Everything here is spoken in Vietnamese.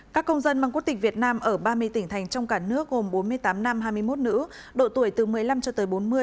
các công dân bằng quốc tịch việt nam ở ba mươi tỉnh thành trong cả nước gồm bốn mươi tám nam hai mươi một nữ độ tuổi từ một mươi năm cho tới bốn mươi